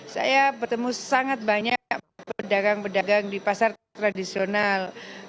saya bertemu sangat banyak pedagang pedagang di pasar tradisional